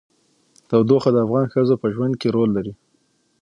تودوخه د افغان ښځو په ژوند کې رول لري.